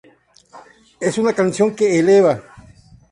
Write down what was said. Es una canción que eleva".